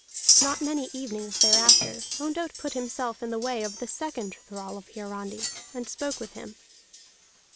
Not many evenings thereafter, Ondott put himself in the way of the second thrall of Hiarandi, and spoke with him.